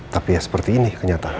tapi ya seperti ini kenyataan